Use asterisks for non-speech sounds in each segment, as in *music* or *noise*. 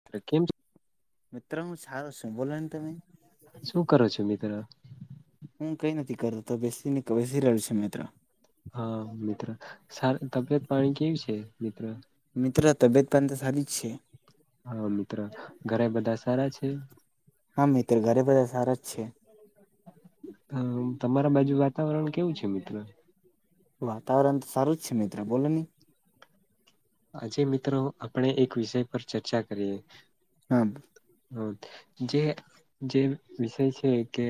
*unintelligible* મિત્ર હું સારો સું. બોલોન તમે. શું કરો છો મિત્ર? હું કંઈ નથી કરતો. બેસીને બેસી રહ્યો છું મિત્રો. હા મિત્ર. સા તબિયત પાણી કેવી છે મિત્ર? મિત્ર તબિયત પાની તો સારી જ છે. હા મિત્ર. ઘરે બધા સારા છે? હા મિત્ર, ઘરે બધા સારા જ છે. અહ તમારા બાજુ વાતાવરણ કેવું છે મિત્ર? વાતાવરણ તો સારું જ છે મિત્ર. બોલો ને. આજે મિત્રો આપણે એક વિષય પર ચર્ચા કરીએ. હા બ હા. જે-જે વિષય છે કે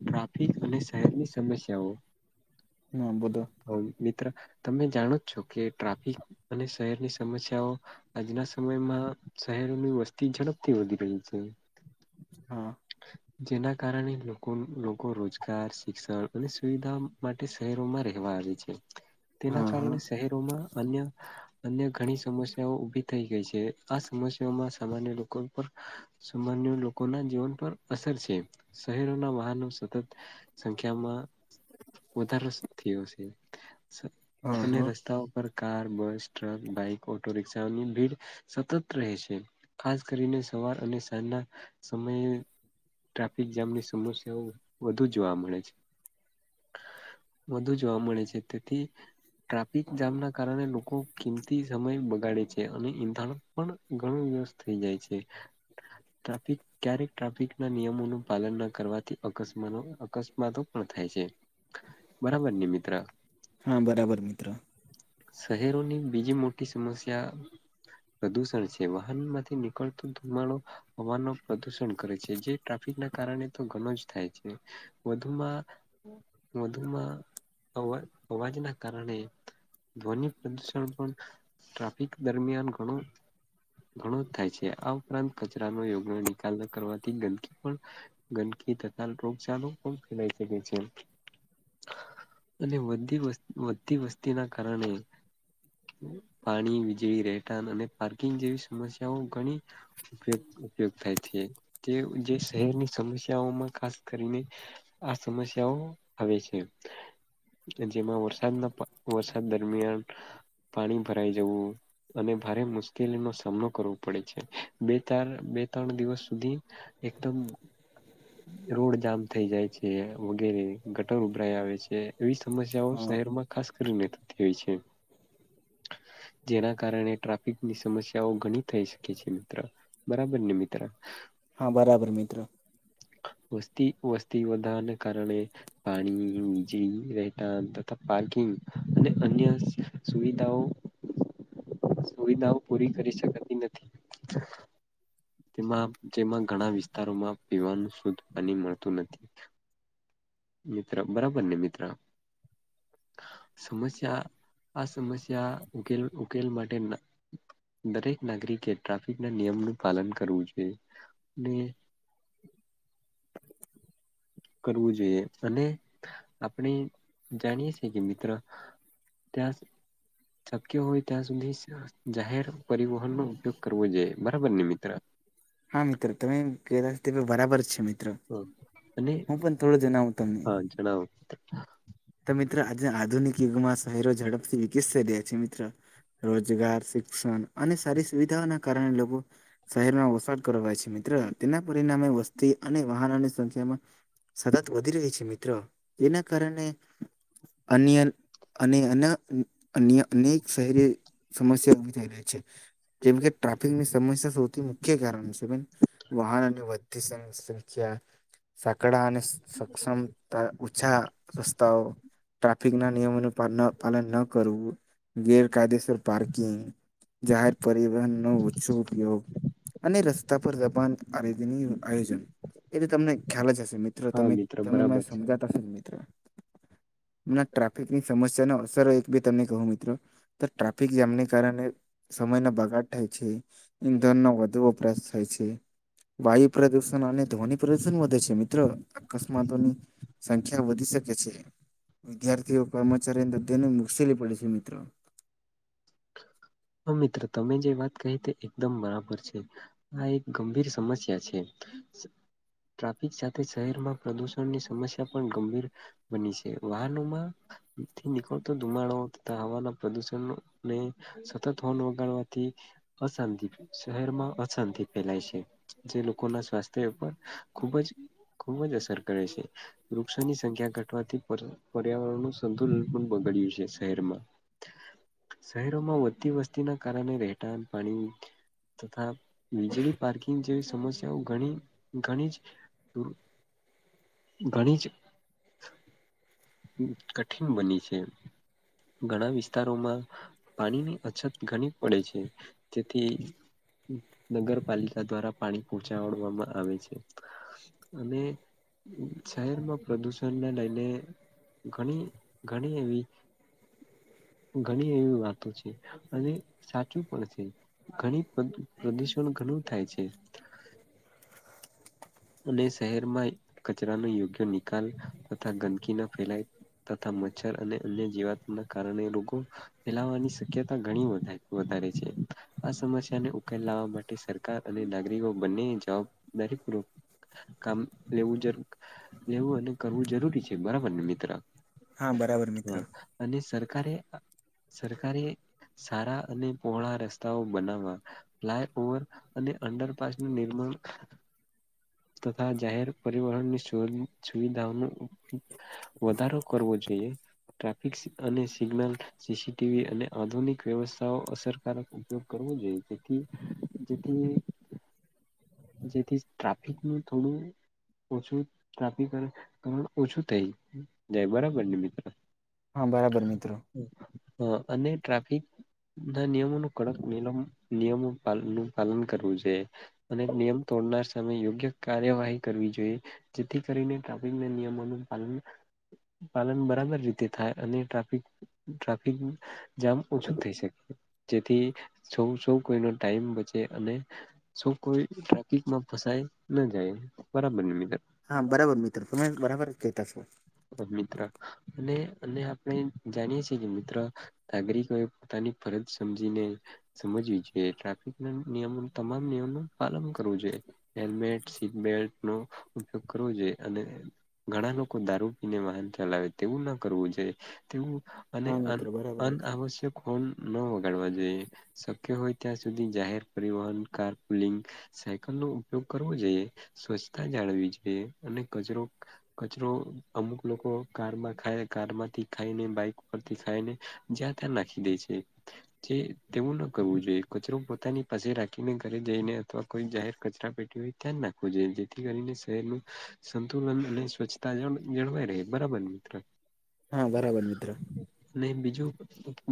ટ્રાફિક અને શહેરની સમસ્યાઓ. *unintelligible* મિત્ર તમે જાણો જ છો કે ટ્રાફિક અને શહેરની સમસ્યાઓ આજના સમયમાં શહેરોની વસ્તી ઝડપથી વધી રહી છે. હા. *inaudible* જેના કારણે લોકોન લોકો રોજગાર, શિક્ષણ અને સુવિધા માટે શહેરોમાં રહેવા આવે છે. તેના હા હા કારણે શહેરોમાં અન્ય અન્ય ઘણી સમસ્યાઓ ઉભી થઈ ગઈ છે. આ સમસ્યામાં સામાન્ય લોકો ઉપર સામાન્ય લોકોના જીવન પર અસર છે. શહેરોના વાહનો સતત સંખ્યામાં વધારો થયો સે. સ હા અને હા રસ્તાઓ પર કાર, બસ, ટ્રક, બાઈક, ઓટોરિક્ષાઓની ભીડ સતત રહે છે. ખાસ કરીને સવાર અને સાંજના સમયે ટ્રાફિક જામની સમસ્યાઓ વધુ જોવા મળે છે. વધુ જોવા મળે છે. તેથી ટ્રાફિક જામના કારણે લોકો કિંમતી સમય બગાડે છે. અને ઈંધણ પણ ઘણુ યુઝ થઈ જાય છે. ટ્રાફિક ક્યારેક ટ્રાફિકના નિયમોનું પાલન ન કરવાથી અકસ્માનો અકસ્માતો પણ થાય છે. બરાબર ને મિત્ર? હા બરાબર મિત્ર. શહેરોની બીજી મોટી સમસ્યા પ્રદુષણ છે. વાહન માંથી નીકળતો ધુમાડો હવાનો પ્રદુષણ કરે છે. જે ટ્રાફિક ના કારણે તો ઘનું જ થાય છે. વધુમાં-વધુમાં અવાજ-અવાજના કારણે ધ્વનિ પ્રદુષણ પણ ટ્રાફિક દરમિયાન ઘણું ઘણુ જ થાય છે. આ ઉપરાંત કચરાનો યોગ્ય નિકાલ ન કરવાથી ગંદકી પણ ગંદકી તથા રોગચાલો પણ ફેલાઈ શકે છે. અને વધી વસ વધતી વસ્તીના કારણે પાણી, વીજળી, રહેઠાણ અને પાર્કિંગ જેવી સમસ્યાઓ ઘણી ઉપયોગ ઉપયોગ થાય છે જે જે શહેરની સમસ્યાઓમાં ખાસ કરીને આ સમસ્યાઓ આવે છે જેમાં વરસાદ વર સાદ દરમિયાન પાણી ભરાઈ જવું અને ભારે મુશ્કેલીનો સામનો કરવો પડે છે. બે ચાર બે ત્રણ દિવસ સુધી એકદમ *inaudible* રોડ જામ થઈ જાય છે વગેરે ગટર ઉભરાય આવે છે એવી સમસ્યાઓ હા શહેરમાં ખાસ કરીને થતી હોય છે. જેના કારણે ટ્રાફિકની સમસ્યાઓ ઘણી થઈ શકે છે મિત્ર બરાબરને મિત્ર? હા બરાબર મિત્ર. વસ્તી વસ્તી વધારાને કારણે પાણી, વિજળી, રહેઠાણ તથા પાર્કિંગ અને અન્ય સુવિધાઓ સુવિધાઓ પૂરી કરી શકાતી નથી. તેમાં જેમાં ઘણા વિસ્તારોમાં પીવાનું શુદ્ધ પાણી મળતું નથી. મિત્ર બરાબરને મિત્ર? સમસ્યા આ સમસ્યા ઉકેલ ઉકેલ માટે ના દરેક નાગરિકે ટ્રાફિકના નિયમનું પાલન કરવું જોઈએ અને કરવું જોઈએ અને આપણે જાણીએ છીએ કે મિત્ર ત્યાં શકય હોય ત્યાં સુધી *unintelligible* જાહેર પરિવહનનો ઉપયોગ કરવો જોઈએ બરાબર ને મિત્ર? હા મિત્ર તમે કય બરાબર જ છે મિત્ર. હા અને હું પણ થોડુ જણાવું તમને હા જણાવો. તો મિત્ર આજના આધુનિક યુગમાં શહેરો ઝડપથી વિકાસ થઈ રહ્યા છે મિત્ર રોજગાર શિક્ષણ અને સારી સુવિધાઓના કારણે લોકો શહેરમાં વસવાટ કરવાય છે મિત્ર તેના પરિણામે વ સ્તી અને વાહનોની સંખ્યામાં સતત વધી રહી છે મિત્રો એના કારણે અન્ય અને અન અન્ય અને શહેરી સમસ્યા ઉભી થઈ રહી છે. જેમ કે ટ્રાફિકની સમસ્યા સૌથી મુખ્ય કારણ છે વાહન અને વધતી સમ *inaudible* સાંકડા અને સક્ષમ *unintelligible* તાઓ ટ્રાફિકના નિયમો ન પાલન ન કરવું. ગેરકાયદેસર પાર્કિંગ જાહેર પરિવહનનો ઓછો ઉપયોગ અને ર સ્તા પર દબાણ *unintelligible* આયોજન એ બી તમને ખ્યાલ જ હશે મિત્ર હા તમે મિત્ર તમે બરાબર મને છે સમજાતા હશો ને મિત્ર અમના ટ્રાફિકની સમસ્યાની અસરો એક બે તમને કહું મિત્રો તો ટ્રાફિક જામને કારણે સમયનો બગાડ થાય છે, ઈંધણનો વધુ વપરાશ થાય છે, વાયુ પ્રદુષ ણ અને ધ્વનિ પ્રદૂષણ વધે છે મિત્ર અકસ્માતોની સંખ્યા વધી શકે છે. વિદ્યાર્થીઓ કર્મચારીં *inaudible* મુશ્કેલી પડે છે મિત્ર હ મિત્ર તમે જે વાત કહી તે એકદમ બરાબર છે. આ એક ગંભીર સમસ્યા છે. ટ્રાફિક સાથે શહેરમાં પ્રદુષણની સમસ્યા પણ ગંભીર બની છે. વાહનો માંથી નીકળતો ધુમાડો તથા હવાના પ્રદુષણમાં ને સતત હોર્ન વગાડવાથી અશાંતિ શહેરમાં અશાંતિ ફેલાય છે. જે લોકોના સ્વાસ્થ્ય ઉપર ખૂબ જ ખૂબ જ અસર કરે છે. વૃક્ષોની સંખ્યા ઘટવાથી પર્યાવરણનું સંતુલન પણ બગડ્યું છે શહેરમાં. શહેરોમાં વધતી વસ્તીના કારણે રહેઠાણ પાણી. તથા વીજળી પાર્કિંગ જેવી સમસ્યાઓ ઘણી ઘણી જ *inaudible* ઘણીજ કઠિન બની છે ઘણા વિસ્તારોમાં પાણીની અછત ઘણી પડે છે તેથી નગરપાલિકા દ્વારા પાણી પહોંચાડવામાં આવે છે. અને શહેરમાં પ્રદુષણને લઈને ઘણી ઘણી એવી ઘણી એવી વાતો છે, અને સાચું પણ છે. ઘણી પ્રદૂ પ્રદૂષણ ઘણું થાય છે. અને શહેરમાં કચરા ન યોગ્ય નિકાલ તથા ગંદકી ન ફેલાય તથા મચ્છર અને અન્ય જીવાતના કારણે રોગો ફેલાવાની શક્યતા ઘણી વધારે છે આ સમસ્યાને ઉકેલ લાવવા માટે સર કાર અને નાગરિકો બંને જવાબદારી પૂર્વક કામ લેવું જરૂરી લેવું અને કરવું જરૂરી છે બરાબરને મિત્ર હા બરાબર મિત્ર હા અને સરકારે સરકારે સારા અને પહોળા રસ્તાઓ બનાવવા ફ્લાય ઓવર અને અંડરપાસનું નિર્માણ તથા જાહેર પરિવહનની સુવિધાઓનું વધારો કરવો જોઈએ ટ્રાફિક અને સિગ્નલ સીસીટીવી અને આધુનિક વ્યવસ્થાઓ અસરકારક ઉપયોગ કરવો જોઈએ જેથી જેથી જેથી ટ્રાફિક નું થોડું ઓછું ટ્રાફિક ઓછું થઈ જાય બરાબર ને મિત્રો હા બરાબર મિત્રો. હ અને ટ્રાફિક ના નિયમો ન કડક નિમ નિયમો નું પાલન કરવું જોઈ અને નિયમ તોડનાર છે તમે યોગ્ય કાર્યવાહી કરવી જોઈએ જેથી કરીને ટ્રાફિક ના નિયમોનું પાલન પાલન બરાબર રીતે થાય અને ટ્રાફિક ટ્રાફિક જામ ઓછું થઈ શકે જેથી સૌ સૌ કોઈ ન ટાઈમ બચે અને સૌ કોઈ ટ્રાફિકમાં ફસાય ન જાય બરાબર ને મિત્ર. હા બરાબર મિત્ર તમે બરાબર કેતા છો. મિત્ર અને અને આપણે જાણીય છીએ કે મિત્ર નાગરિકોએ પોતાની ફરજ સમજીને સમજવી જોઈએ ટ્રાફિક ના નિયમો તમામ નિયમ નું પાલન કરવું જોઈએ. હેલ્મેટ સીટ બેલ્ટ નો ઉપયોગ કરવો જોઈએ અને ઘણા લોકો દારૂ વાહન ચલાવે તેવું ન કરવું જોઈએ તેવું અને હા અન મિત્ર બરાબર અનઆવશ્યક હોર્ન ન વગાડવા જોઈએ શક્ય હોય ત્યાં સુધી જાહેર પરિવહન કાર પુલિંગ સાયકલ નો ઉપયોગ કરવો જોઈએ સ્વચ્છતા જાળવી જોઈએ અને કચરો કચરો અમુક લોકો કારમાં ખાય કારમાંથી ખાઈને બાઈ *unintelligible* ખાઈને જ્યાં ત્યાં નાખી દેય છે જે તેવું ન કરવું જોઈએ કચરો પોતાની પાસે રાખીને ઘરે જઈને અથવા કોઈ જાહેર કચરા પેટી *unintelligible* ધ્યાન રાખવું જોઈએ જેથી કરીને શહેરનું સંતુલન અને સ્વચ્છતા *unintelligible* જળવાય રે બરાબર મિત્ર હા બરાબર મિત્ર અને બીજું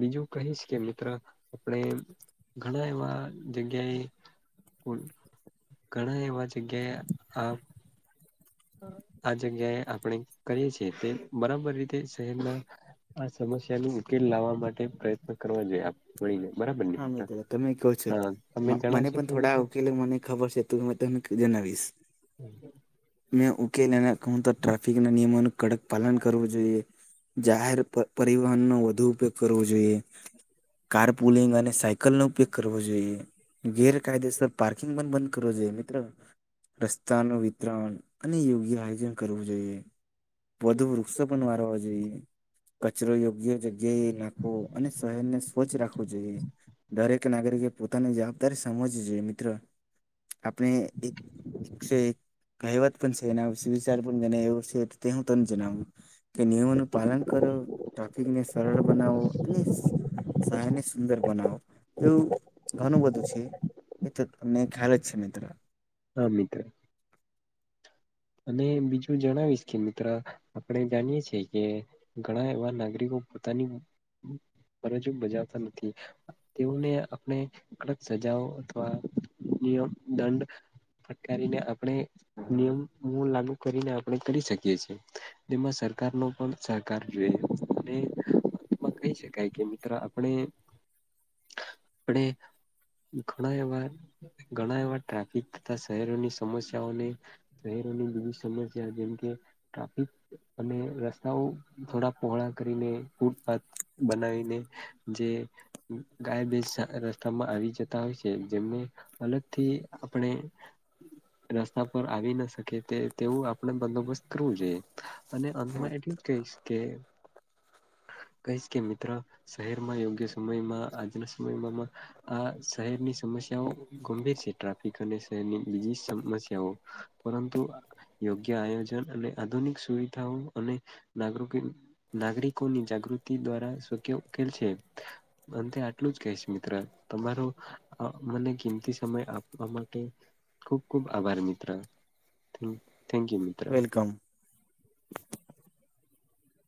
બીજું કહીશ કે મિત્ર આપણે ઘણા એવા જગ્યાએ *unintelligible* ઘણા એવા જગ્યાએ આ આ જગ્યાએ આપણે કરીએ છીએ તે બરાબર રીતે શહેરના આ સમસ્યા ન ઉકેલ લાવવા માટે પ્રયત્ન કરવા જોઈએ આપ મળી ને બરાબર ને હા મ મિત્ર તમે કહો છો હા તમે મને જણાવશો પણ કે મિત્ર થોડા ઉકેલ મને ખબર છે તો જનાવીશ *unintelligible* *inaudible* મેં ઉકેલ કો હું તો ટ્રાફિકના નિયમન કડક પાલન કરવું જોઈએ જાહેર પરિવહન નો વધુ ઉપયોગ જોઈએ કાર પુલિંગ અને સાયકલનો ઉપયોગ કરવો જોઈએ ગેરકાયદેસર પાર્કિંગ પણ બંધ કરવું જોઈએ મિત્ર રસ્તાનું વિતરણ અને યોગ્ય આયોજન કરવું જોઈએ વધુ વૃક્ષો પણ વારવા જોઈએ કચરો યોગ્ય જગ્યાએ નાખવો અને શહેરને સ્વચ્છ રાખવું જોઈએ દરેક નાગરિકે પોતાની જવાબદારી સમજવી જોઈએ મિત્રો આપણે છે કહેવત પણ છે એ વિચાર પણ જ એવો છે તે હું તો જણાવું કે નિયમોનું પાલન કરો ટ્રાફિકને સરળ બનાવો અને સહને સુંદર બનાવો એવું ઘણું બધું છે એ તો તમને ખ્યાલ જ છે મિત્ર હા મિત્ર અને બીજું જણાવીશ કે મિત્ર આપણે જાણીએ છીએ કે ઘણા એવા નાગરિકો પોતાની ફરજો બજાવતા નથી તેઓને આપણે કડક સજાઓ અથવા નિયમ દંડ ફટકારીને આપણે નિયમ લાગુ કરીને આપણે કરી શકીએ છીએ જેમાં સરકારનો પણ સહકાર જોઈ અને કહી શકાય કે મિત્ર આપણે આપણે ઘણા એવા ઘણા એવા ટ્રાફિક તથા શહેરોની સમસ્યાઓને, શહેરોની બી સમસ્યા જેમ કે ટ્રાફિક અને રસ્તા થોડા પહોળા કરીને ફૂટપાથ બનાવીને જે ગાય બે રસ્તામાં આવી જતા હોય છે જેમને અલગથી આપણે રસ્તા પર આવી ન કે તે તેવું આપણે બંદોબસ્ત કરવું જોઈએ અને અંતમાં એટલું જ કહીશ કે કહિશ કે મિત્ર શહેરમાં યોગ્ય સમયમાં આજના સમયમાં આ શહેરની સમસ્યાઓ ગંભીર છે, ટ્રાફિક અને શહેરની બીજી સમસ્યાઓ પરંતુ યોગ્ય આયોજન અને આધુનિક સુવિધાઓ અને નાગરિક નાગરિકોની જાગૃતિ દ્વારા શક્ય ઉકેલ છે. અંતે આટલું જ કહિશ મિત્ર તમારો મને કિંમતી સમય આપવા માટે ખુબ ખુબ આભાર મિત્ર થેન્ થેન્કયુ યુ મિત્ર વેલકમ